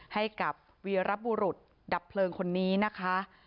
ให้กับวีรบุรุษดับเพลิงคนนี้นะคะ